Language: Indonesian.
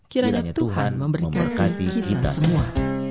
kiranya tuhan memberkati kita semua